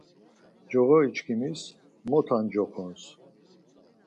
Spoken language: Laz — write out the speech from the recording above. Coğoriçkimis Mota ncoxons.